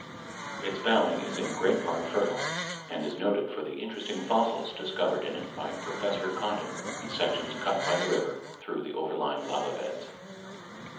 Its valley is in great part fertile, and is noted for the interesting fossils discovered in it by Professor Condon in sections cut by the river through the overlying lava beds.